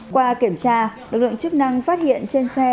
qua kiểm tra lực lượng chức năng phát hiện trên xe